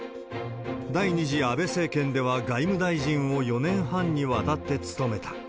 第２次安倍政権では、外務大臣を４年半にわたって務めた。